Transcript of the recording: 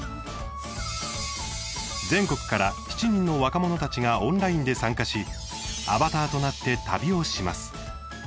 全国から７人の若者たちがオンラインで参加しアバターとなって旅をします。